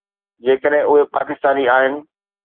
جيڪڏهن اهي پاڪستاني آهن.